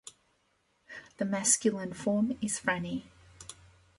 The masculine form is Franny.